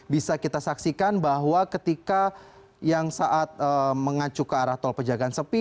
bisa kita saksikan bahwa ketika yang saat mengacu ke arah tol pejagaan sepi